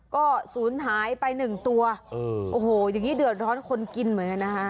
ก็ศูนย์หายไปหนึ่งตัวโอ้โหอย่างนี้เดือดร้อนคนกินเหมือนกันนะคะ